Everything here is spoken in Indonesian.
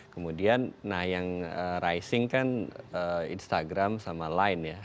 kemudian nah yang rising kan instagram sama line ya